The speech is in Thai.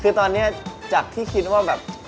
คือตอนนี้จากที่คิดว่าแบบ